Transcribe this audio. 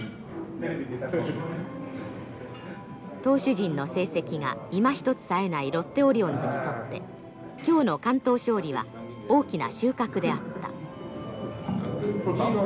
投手陣の成績がいまひとつさえないロッテオリオンズにとって今日の完投勝利は大きな収穫であった。